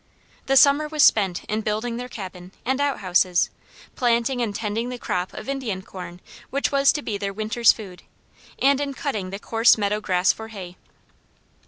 The summer was spent in building their cabin, and outhouses, planting and tending the crop of Indian corn which was to be their winter's food, and in cutting the coarse meadow grass for hay.